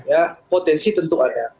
ya potensi tentu ada